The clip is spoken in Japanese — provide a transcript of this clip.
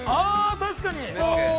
◆確かに。